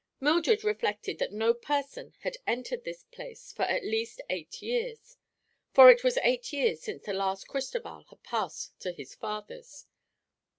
Mildred reflected that no person had entered this place for at least eight years, for it was eight years since the last Cristoval had passed to his fathers.